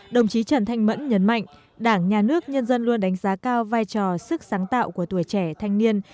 đồng chí trần thanh mẫn nhấn mạnh đảng nhà nước nhân dân luôn đánh giá cao vai trò sức sáng tạo của tuổi trẻ thanh niên